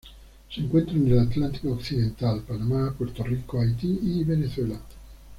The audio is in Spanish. Se encuentra en el Atlántico occidental: Panamá, Puerto Rico, Haití y Venezuela.